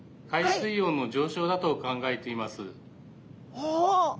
ああ。